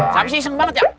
sabisi iseng banget ya